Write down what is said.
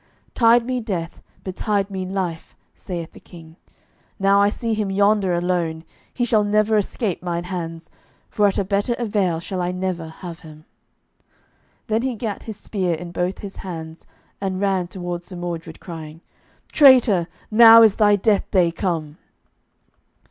"Tide me death, betide me life," saith the King, "now I see him yonder alone, he shall never escape mine hands, for at a better avail shall I never have him." Then he gat his spear in both his hands, and ran towards Sir Mordred, crying, "Traitor, now is thy death day come."